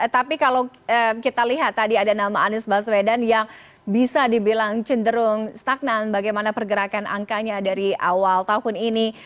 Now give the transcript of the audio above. tapi kalau kita lihat tadi ada nama anies baswedan yang bisa dibilang cenderung stagnan bagaimana pergerakan angkanya dari awal tahun ini